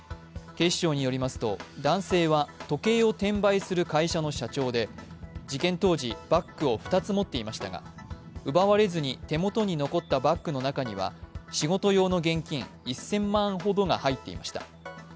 警視庁によりますと、男性は時計を転売する会社の社長で事件当時、バッグを２つ持っていましたが、奪われずに手元に残ったバッグの中には仕事用の現金１０００万ほどが入っていました。